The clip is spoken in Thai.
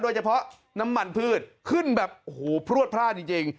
โดยเฉพาะน้ำมันพืชขึ้นแบบโอ้โฮพลวดพลาดจริง